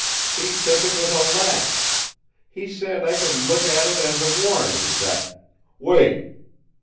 He took it with a laugh. He said I could look at it as a warning that " "Wait!"